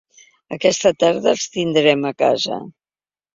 Aquesta tarda els tindrem a casa.